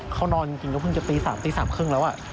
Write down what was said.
เขานอนจริงก็เพิ่งจะตีสามตีสามครึ่งแล้วอ่ะ